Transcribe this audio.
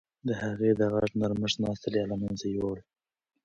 د هغې د غږ نرمښت زما ستړیا له منځه یووړه.